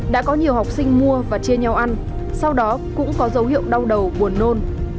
đã có nhiều học sinh mua và chia nhau ăn sau đó cũng có dấu hiệu đau đầu buồn nôn